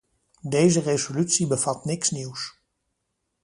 Deze resolutie bevat niks nieuws.